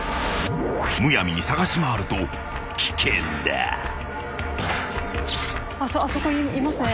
［むやみに捜し回ると危険だ］あそこいますね。